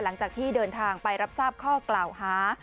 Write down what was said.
หลังจากที่เดินทางไปรับทราบข้อกล่าวหา